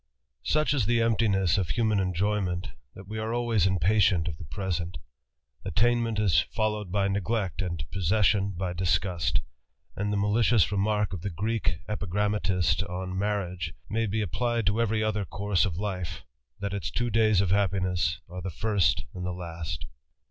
OUCH is the emptiness of human enjoyment^ t hat wg .are always JTPpaf iftnt . of . the. prftspnt, Attainmentig followed by neglect, and possession, by disgusfc; and thr malicious remark of the Greek epigrammatist on marriag may be applied to every other course of life, that its t? days of happiness are the first and the last.